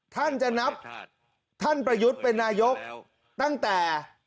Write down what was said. ท่านจะนับท่านประยุทธ์เป็นนายกตั้งแต่